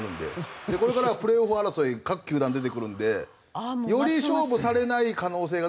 これからプレーオフ争い各球団出てくるんでより勝負されない可能性が出てきて。